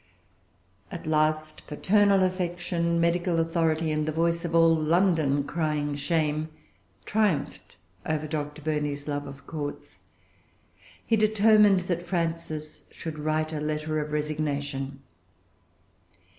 At last paternal affection, medical authority, and the voice of all London crying shame, triumphed over Dr. Burney's love of courts. He determined that Frances should write a letter of resignation.